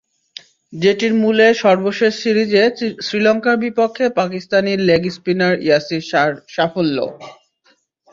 যেটির মূলে সর্বশেষ সিরিজে শ্রীলঙ্কার বিপক্ষে পাকিস্তানি লেগ স্পিনার ইয়াসির শাহর সাফল্য।